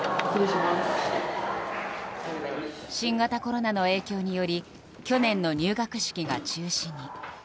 新型コロナの影響により去年の入学式が中止に。